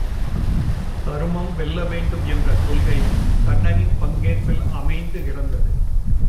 தருமம் வெல்ல வேண்டும் என்ற கொள்கை கண்ணனின் பங்கேற்பில் அமைந்து கிடந்தது.